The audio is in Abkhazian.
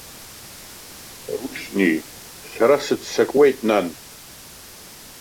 Рушьни, сара сыццакуеит, нан.